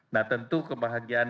nah tentu kebahagiaan